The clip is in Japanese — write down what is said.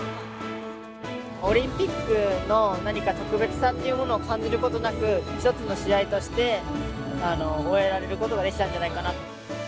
オリンピックの何か特別さっていうものを感じることなく、一つの試合として終えられることができたんじゃないかなと。